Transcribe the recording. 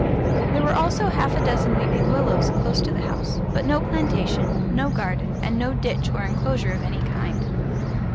There were also half a dozen weeping willows close to the house, but no plantation, no garden, and no ditch or enclosure of any kind.